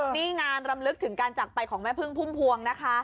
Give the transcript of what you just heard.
นี่งานรำลึกถึงการจักรไปของแม่พึ่งพุ่มพวงนะคะ